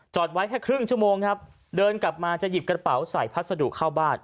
ไว้แค่ครึ่งชั่วโมงครับเดินกลับมาจะหยิบกระเป๋าใส่พัสดุเข้าบ้าน